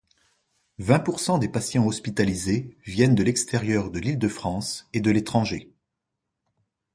Vingt pour cent des patients hospitalisés viennent de l'extérieur de l'Île-de-France et de l'étranger.